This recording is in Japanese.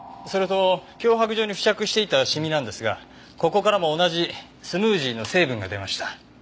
それと脅迫状に付着していたシミなんですがここからも同じスムージーの成分が出ました。